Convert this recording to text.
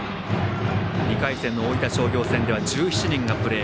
２回戦の大分商業戦では１７人がプレー。